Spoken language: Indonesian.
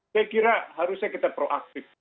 saya kira harusnya kita proaktif